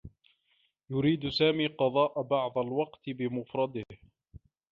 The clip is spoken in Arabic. يريد سامي قضاء بعض الوقت بمفرده.